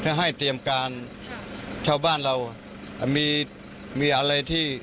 ถ้าให้เตรียมการครับชาวบ้านเราอ่ะมีมีอะไรที่